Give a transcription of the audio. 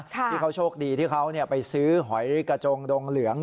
ที่เขาโชคดีที่เขาไปซื้อหอยกระจงดงเหลือง